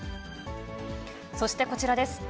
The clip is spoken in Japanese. そしてこちらです。